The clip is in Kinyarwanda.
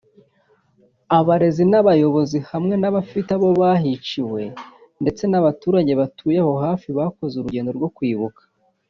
abarezi n’abayobozi hamwe n’abafite ababo bahiciwe ndetse n’abaturage batuye aho hafi bakoze urugendo rwo kwibuka